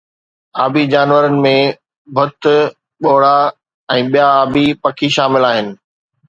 آبي جانورن ۾ بتھ، ٻوڙا ۽ ٻيا آبي پکي شامل آھن